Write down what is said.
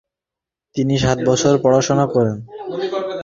তিনি সাত বছর পড়াশোনা করেন।